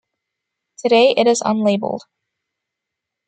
Today it is unlabelled.